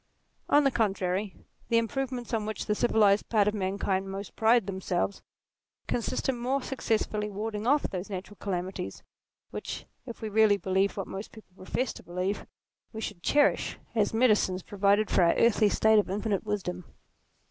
On the contrary, the improvements on which the civilized part of mankind most pride themselves, consist in more successfully warding off those natural calamities which if we really believed what most people profess NATURE 33 to believe, we should cherish as medicines provided for our earthly state by infinite wisdom.